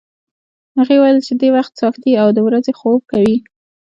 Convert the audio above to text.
هغې ویل چې دی هر وخت څاښتي او د ورځې خوب کوي.